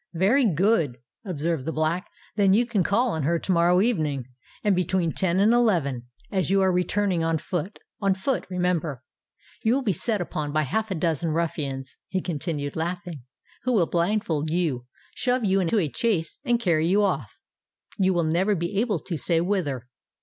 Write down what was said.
"Very good," observed the Black. "Then you can call on her to morrow evening; and between ten and eleven, as you are returning on foot—on foot, remember—you will be set upon by half a dozen ruffians," he continued, laughing, "who will blindfold you, shove you into a chaise, and carry you off—you never will be able to say whither."